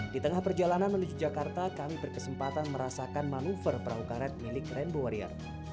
di tengah perjalanan menuju jakarta kami berkesempatan merasakan manuver perahu karet milik rainbow warrior